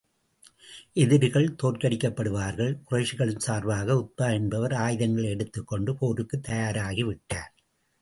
எதிரிகள் தோற்கடிக்கப்படுவார்கள் குறைஷிகளின் சார்பாக உத்பா என்பவர் ஆயுதங்களை எடுத்துக் கொண்டு போருக்குத் தயாராகி விட்டார்.